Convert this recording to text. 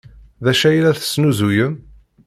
D acu ay la tesnuzuyem?